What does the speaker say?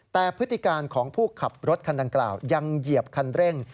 แต่พฤติการของผู้ขับรถคันดังกล่าวยังเหยียบคันเร่ง